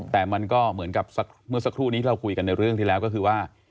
แต่มันก็เหมือนกับเมื่อสักครู่นี้เราคุยกันในเรื่องที่แล้วก็คือว่า